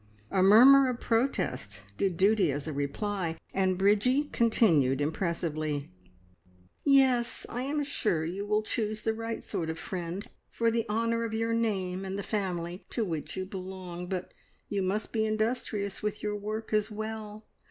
A murmur of protest did duty as a reply, and Bridgie continued impressively "Yes, I am sure you will choose the right sort of friend, for the honour of your name and the family to which you belong; but you must be industrious with your work as well.